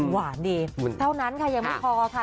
หวานดีเท่านั้นค่ะยังไม่พอค่ะ